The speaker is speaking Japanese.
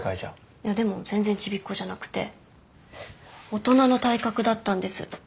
いやでも全然ちびっこじゃなくて大人の体格だったんです。